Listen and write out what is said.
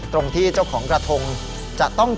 ตรงที่เจ้าของกระทงจะต้อง